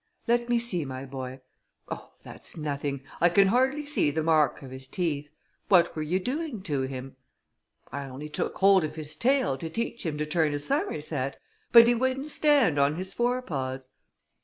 "Let me see, my boy; oh! that's nothing, I can hardly see the mark of his teeth; what were you doing to him?" "I only took hold of his tail, to teach him to turn a somerset, but he wouldn't stand on his fore paws."